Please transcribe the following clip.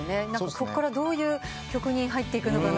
こっからどういう曲に入っていくのかな。